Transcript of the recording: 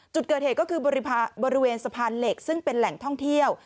จุดเกิดเหตุก็คือบริเวณสะพานเหล็กซึ่งเป็นแหล่งท่องเที่ยว